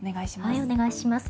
お願いします。